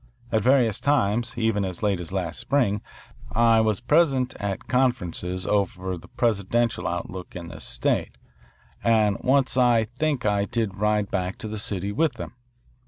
At various times, even as late as last spring, I was present at conferences over the presidential outlook in this state, and once I think I did ride back to the city with them.